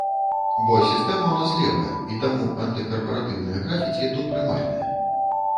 Бо сістэма ў нас левая, і таму антыкарпаратыўныя графіці тут прымальныя.